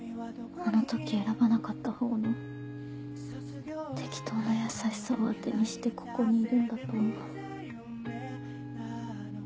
あの時選ばなかった方の適当な優しさを当てにしてここにいるんだと思う。